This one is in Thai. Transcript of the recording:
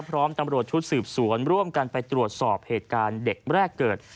พร้อมตำรวจชุดสืบสวนร่วมกันไปตรวจสอบเหตุการณ์เด็กแรกเกิด